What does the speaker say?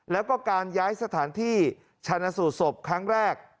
แล้วก็การย้ายสถานที่ชนะสูตรศพครั้งแรก